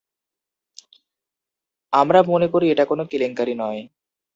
আমরা মনে করি এটা কোন কেলেঙ্কারি নয়।